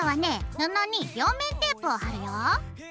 布に両面テープを貼るよ。